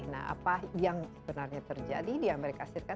nah apa yang sebenarnya terjadi di amerika serikat